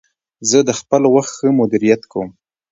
زه د خپل وخت ښه مدیریت کوم.